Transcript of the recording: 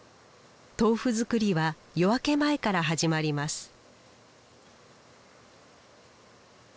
豆腐作りは夜明け前から始まります